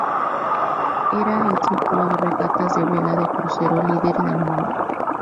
Era el circuito de regatas de vela de crucero líder en el mundo.